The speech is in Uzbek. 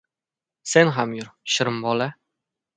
— Sen ham yur, shirin bola.